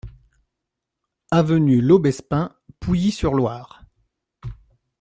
Avenue Laubespin, Pouilly-sur-Loire